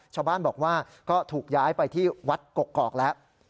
ชาวบ้านบอกว่าก็ถูกย้ายไปที่วัดกกอกแล้ว